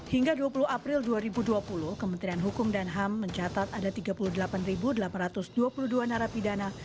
hingga dua puluh april dua ribu dua puluh kementerian hukum dan ham mencatat ada tiga puluh delapan delapan ratus dua puluh dua narapidana